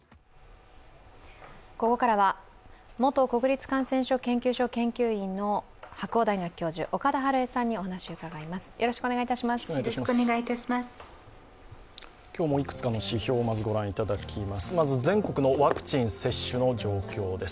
ここからは元国立感染症研究所研究員の白鴎大学教授、岡田晴恵さんに話を伺います。